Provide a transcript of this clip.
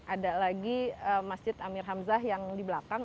ada lagi masjid amir hamzah yang di belakang